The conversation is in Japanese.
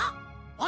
あ。